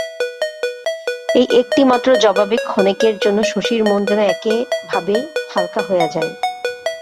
এই একটিমাত্র জবাবে ক্ষণেকের জন্য শশীর মন যেন একেভাবে হালকা হইয়া যায়।